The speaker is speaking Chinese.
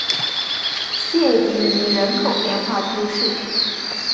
谢迪尼人口变化图示